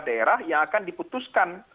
daerah yang akan diputuskan